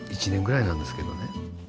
１年ぐらいなんですけどね。